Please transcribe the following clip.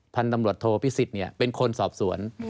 ท่านตำรวจโทษพิศิษฐ์เนี่ยเป็นคนสอบสวน